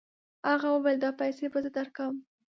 هغه وویل دا پیسې به زه درکوم.